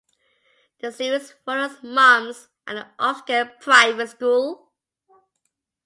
The series follows mums at an upscale private school.